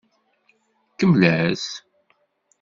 Kemmel-as.